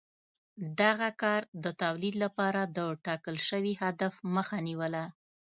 دغه کار د تولید لپاره د ټاکل شوي هدف مخه نیوله